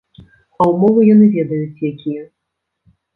А ўмовы яны ведаюць, якія.